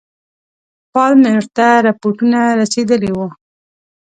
پالمر ته رپوټونه رسېدلي وه.